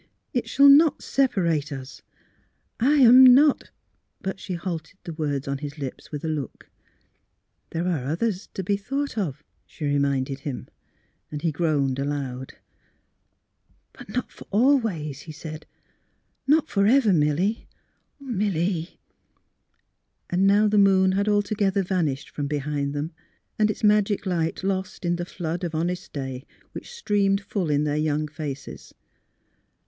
It shall not separate us. ... I am not " But she halted the words on his lips with a look. " There are others to be thought of," she re minded him. He groaned aloud. 206 THE HEART OF PHILUEA *' But not for always," he said. '' Not forever, Milly— Milly! " And now the moon had altogether vanished from behind them, and its magic light lost in the flood of honest day which streamed full in their young faces.